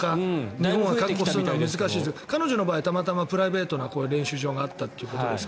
日本は難しいですけど彼女はたまたまプライベートな練習場があったということですが。